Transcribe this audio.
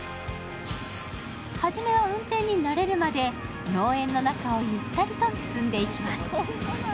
初めは運転に慣れるまで農園の中をゆったりと進んでいきます。